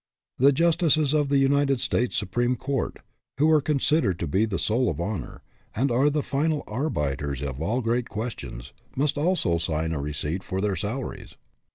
The justices of the United States Supreme Court, who are con sidered to be the soul of honor, and are the final arbiters of all great questions, must also sign a receipt for their salaries.